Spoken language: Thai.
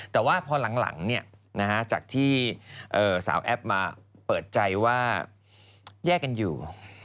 แต่ว่าพอหลังจากที่สาวแอปมาเปิดใจว่าแยกกันอยู่